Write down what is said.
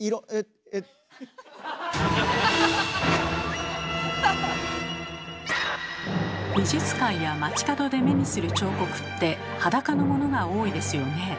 ⁉えっ⁉美術館や街角で目にする彫刻って裸のものが多いですよね。